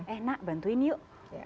eh nak bantuin yuk